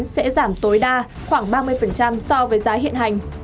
sẽ giảm tối đa khoảng ba mươi so với giá hiện hành